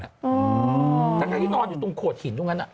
นะคะที่นอนอยู่ตรงขวดหินทุกงั้น